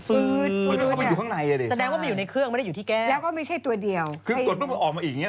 เฮ้ยอะไรวะเนี่ย